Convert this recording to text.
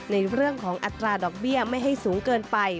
ในเรื่องของอัตราดอกเบี้ยไม่ให้สูงเกินไป